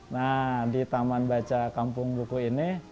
nah di taman baca kampung buku ini